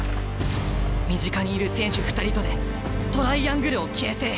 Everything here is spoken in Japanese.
身近にいる選手２人とでトライアングルを形成。